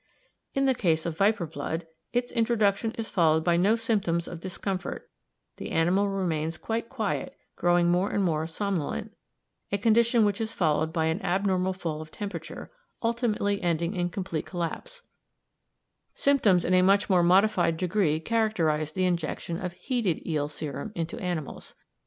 In the case of viper blood its introduction is followed by no symptoms of discomfort, the animal remains quite quiet, growing more and more somnolent, a condition which is followed by an abnormal fall of temperature, ultimately ending in complete collapse, symptoms which in a much more modified degree characterise the injection of heated eel serum into animals.